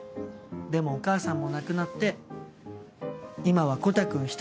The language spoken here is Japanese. でもお母さんも亡くなって今はコタくん１人。